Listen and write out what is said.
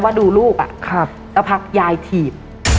ว่าดูลูกอะครับแล้วพักยายถีบ